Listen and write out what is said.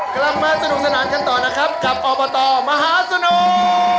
กลับมาสนุกสนานกันต่อนะครับกับอบตมหาสนุก